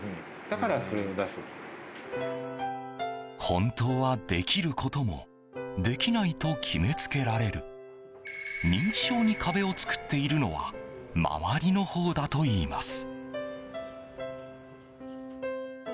本当はできることもできないと決めつけられる認知症に壁を作っているのは周りのほうだといいます。